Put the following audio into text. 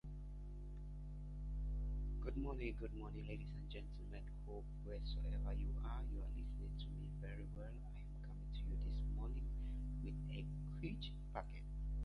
But she's got one now.